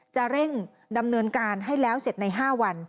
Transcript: จะเร่งดำเนินการให้แล้วเสร็จใน๕วัน